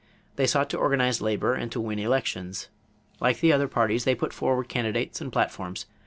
They sought to organize labor and to win elections. Like the other parties they put forward candidates and platforms.